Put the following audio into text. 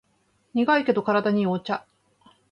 苦いけど体にいいお茶